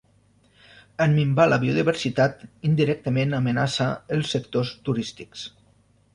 En minvar la biodiversitat, indirectament amenaça els sectors turístics.